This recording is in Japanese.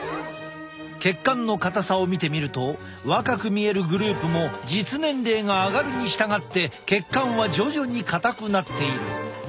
血管の硬さを見てみると若く見えるグループも実年齢が上がるに従って血管は徐々に硬くなっている。